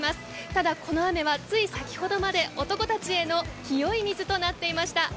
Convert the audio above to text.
ただ、この雨はつい先ほどまで男たちへの清い水となっていました。